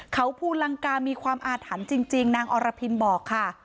เขาภูลังกามีความอาถรรพ์จริงนางอรพินบอกค่ะ